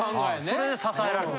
それで支えられる。